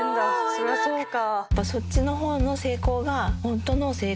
そりゃそうか。